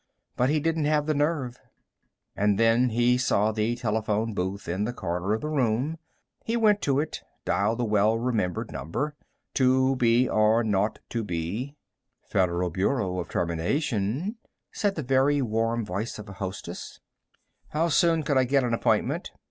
But he didn't have the nerve. And then he saw the telephone booth in the corner of the room. He went to it, dialed the well remembered number: "2 B R 0 2 B." "Federal Bureau of Termination," said the very warm voice of a hostess. "How soon could I get an appointment?"